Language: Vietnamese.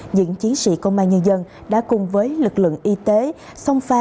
những chiến sĩ công an nhân dân đã cùng với lực lượng y tế song pha